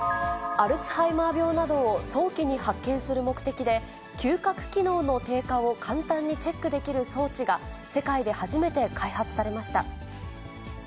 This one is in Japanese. アルツハイマー病などを早期に発見する目的で、嗅覚機能の低下を簡単にチェックできる装置が、世界で初めて開発されました。